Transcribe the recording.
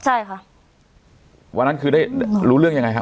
ใช่ค่ะวันนั้นคือได้รู้เรื่องยังไงครับ